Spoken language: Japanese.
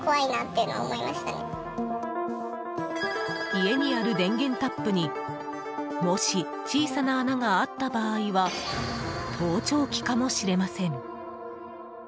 家にある電源タップにもし小さな穴があった場合は盗聴器かもしれません。